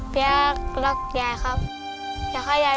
เป็นพลักษณ์รักยายครับ